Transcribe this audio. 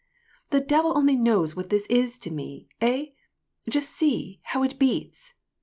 " The devil only knows what this is to me ! Hey ? Just see, how it beats